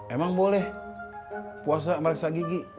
emang boleh puasa meriksa gigi